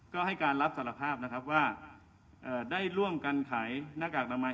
ก็ให้การรับสารภาพนะครับว่าได้ร่วมกันขายหน้ากากอนามัย